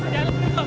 jalan dulu bang